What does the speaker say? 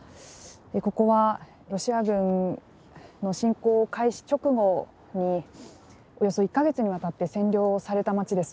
ここはロシア軍の侵攻開始直後におよそ１か月にわたって占領された街です。